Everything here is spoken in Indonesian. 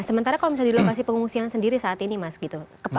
sementara kalau misalnya di lokasi pengungsian sendiri saat ini mas gitu